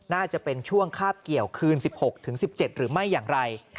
น่าจะเป็นช่วงคาบเกี่ยวคืน๑๖ถึง๑๗หรือไม่อย่างไร